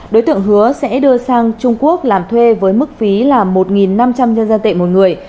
đối tượng hứa sẽ đưa sang trung quốc làm thuê với mức phí là một năm trăm linh nhân dân tệ một người